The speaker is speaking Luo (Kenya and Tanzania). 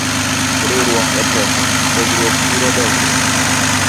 Riwruok e teko, pogruok thiro dongruok